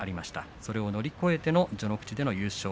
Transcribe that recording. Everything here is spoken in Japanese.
それを乗り越えての序ノ口での優勝。